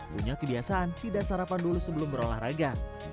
punya kebiasaan tidak sarapan dulu sebelum berolahraga